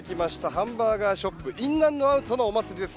ハンバーガーショップインアンドアウトのお祭りです。